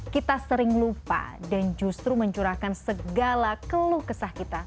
kita sering lupa dan justru mencurahkan segala keluh kesah kita